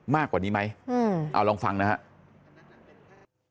มากกว่านี้ไหมเอาลองฟังนะครับ